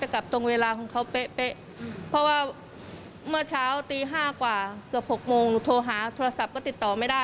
กล้องมือไขมุด